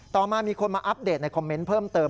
มามีคนมาอัปเดตในคอมเมนต์เพิ่มเติม